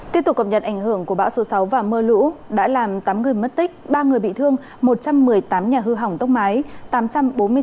tiếp tục cập nhật ảnh hưởng của bão số sáu và mưa lũ đã làm tám người mất tích ba người bị thương một trăm một mươi tám nhà hư hỏng tốc mái